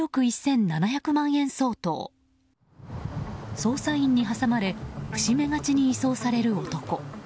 捜査員に挟まれ伏し目がちに移送される男。